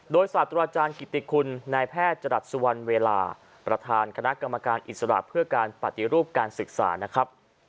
โดยศาสตราจารย์กิติคุณนายแพทย์จรัสสุวรรณเวลาประธานคณะกรรมการอิสระเพื่อการปฏิรูปการศึกษานะครับ